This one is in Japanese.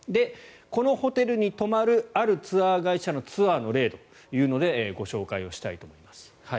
このホテルに泊まるあるツアー会社の例ということでご紹介をしたいと思います。